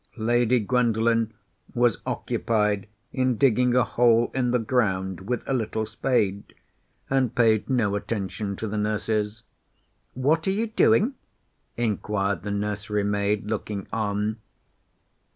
Lady Gwendolen was occupied in digging a hole in the ground with a little spade, and paid no attention to the nurses. "What are you doing?" enquired the nursery maid, looking on.